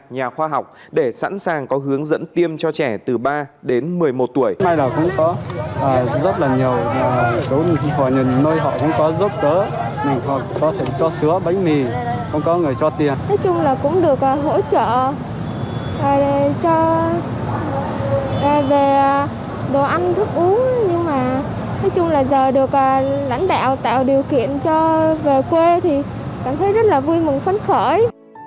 nhà khoa học để sẵn sàng có hướng dẫn tiêm cho trẻ từ ba đến một mươi một tuổi